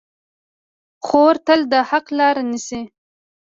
خور تل د حق لاره نیسي.